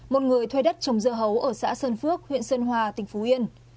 một người thuê đất trồng dưa hấu ở xã sơn phước huyện sơn hòa tỉnh phú yên